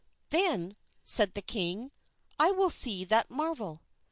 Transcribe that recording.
"Then," said the king, "I will see that marvel."